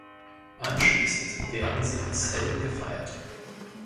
Anschließend werden sie als Helden gefeiert.